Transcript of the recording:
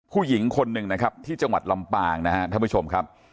ผู้หญิงคนหนึ่งนะครับที่จังหวัดลำปางนะครับท่านผู้ชมครับ